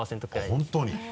本当に？